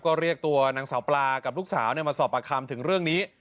ก็เรียกตัวนางสาวปลากับลูกสาวมาสอบประคำถึงเรื่องนี้